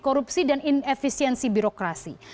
korupsi dan inefisiensi birokrasi